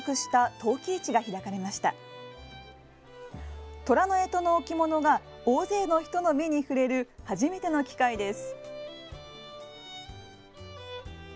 とらのえとの置物が大勢の人の目に触れる初めての機会です。